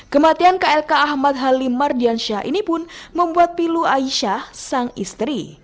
kematian klk ahmad halim mardiansyah ini pun membuat pilu aisyah sang istri